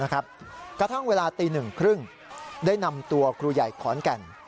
กระทั่งเวลาตี๑๓๐ได้นำตัวครูใหญ่ขอนแก่น